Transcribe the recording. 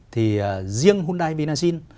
thì riêng hyundai benazin